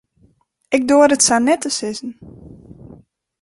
Ik doar it sa net te sizzen.